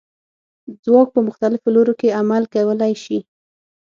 ځواک په مختلفو لورو کې عمل کولی شي.